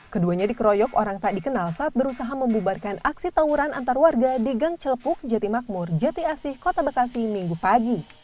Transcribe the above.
keduanya dikeroyok orang tak dikenal saat berusaha membubarkan aksi tawuran antar warga di gang celepuk jatimakmur jati asih kota bekasi minggu pagi